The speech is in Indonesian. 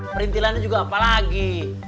perintilannya juga apa lagi